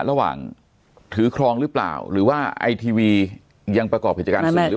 หรือถือครองหรือเปล่าหรือว่าไอทีวียังประกอบกิจการสื่อหรือเปล่า